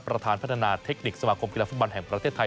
ประธานพัฒนาเทคนิคสมาคมกีฬาฟุตบอลแห่งประเทศไทย